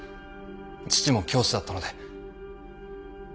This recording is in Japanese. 父も教師だったので。